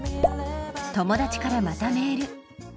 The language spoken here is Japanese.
友達からまたメール。